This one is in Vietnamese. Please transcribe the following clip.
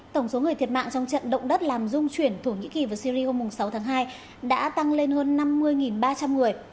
tổng số người thiệt mạng trong trận động đất làm dung chuyển thổ nhĩ kỳ và syri hôm sáu tháng hai đã tăng lên hơn năm mươi ba trăm linh người